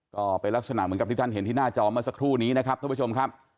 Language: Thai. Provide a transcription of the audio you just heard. ก็เป็นลักษณะเหมือนกับที่ท่านเห็นที่หน้าจอเมื่อสักครู่นี้นะครับท่านผู้ชมครับ